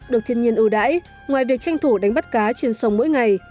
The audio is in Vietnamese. được thiên nhiên ưu đãi ngoài việc tranh thủ đánh bắt cá trên sông mỗi ngày